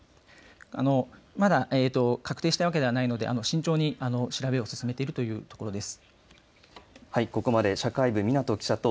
まだ確定したわけではないので慎重に調べを進めているというところです。